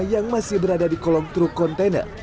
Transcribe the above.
yang masih berada di kolong truk kontainer